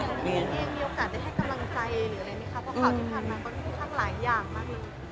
พี่มิ้นเองมีโอกาสได้ให้กำลังใจหรืออะไรไหมคะเพราะข่าวที่ผ่านมาค่อนข้างหลายอย่างมากเลย